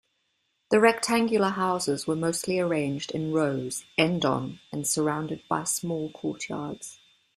The rectangular houses were mostly arranged in rows end-on and surrounded by small courtyards.